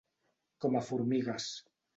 Com a formigues.